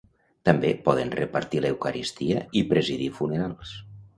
També poden repartir l’eucaristia i presidir funerals.